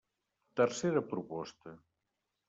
Tercera proposta.